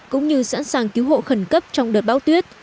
cũng như sẵn sàng cứu hộ khẩn cấp trong đợt bão tuyết